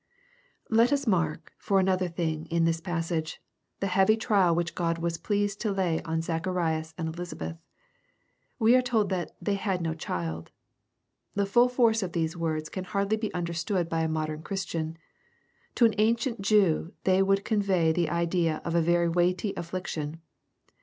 Let ns mark, for another thing, in this passage, the heavy trial which God was pleased to lay on Zacharias and Elisabeth. We are told that " they had no child.'* The full force of these words can hardly be understood by a modern Christian. To an ancient Jew they would convey the idea of a very weighty affliction.